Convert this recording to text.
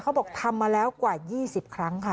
เขาบอกทำมาแล้วกว่า๒๐ครั้งค่ะ